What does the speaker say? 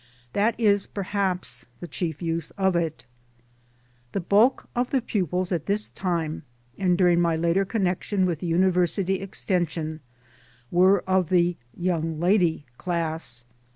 That is perhaps the chief use of it. The bulk of the pupils at this time and during my later connection with the Univer sity Extension were of the " young lady " class.